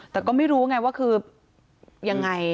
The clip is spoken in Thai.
แต่ก็ไม่รู้ไงว่าคือยังไง